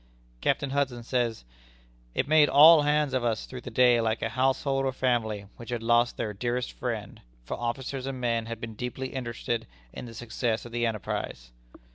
Captain Hudson says: "It made all hands of us through the day like a household or family which had lost their dearest friend, for officers and men had been deeply interested in the success of the enterprise."